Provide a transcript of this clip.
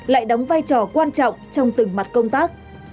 lại đóng vai trò quan trọng trong từng mặt công tác